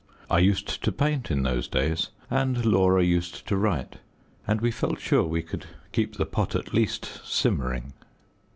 I used to paint in those days, and Laura used to write, and we felt sure we could keep the pot at least simmering.